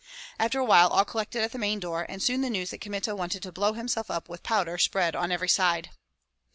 After a while all collected at the main door, and soon the news that Kmita wanted to blow himself up with powder spread on every side.